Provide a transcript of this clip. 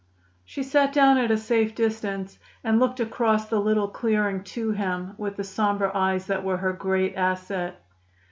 She sat down at a safe distance, and looked across the little clearing to him with the somber eyes that were her great asset.